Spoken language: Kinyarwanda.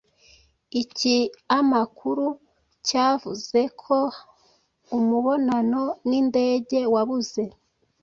Ikiamakuru cyavuze ko umubonano n’indege wabuze.